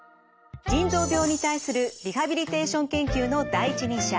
腎臓病に対するリハビリテーション研究の第一人者